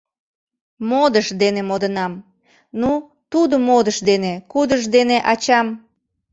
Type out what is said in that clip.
— Модыш дене модынам... ну, тудо модыш дене, кудыж дене ачам...